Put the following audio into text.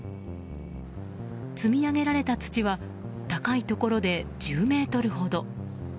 積み上げられた土は高いところで１０ｍほど。